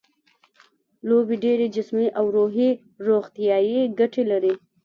لوبې ډېرې جسمي او روحي روغتیايي ګټې لري.